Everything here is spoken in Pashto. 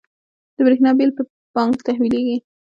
د بریښنا بیل په بانک تحویلیږي؟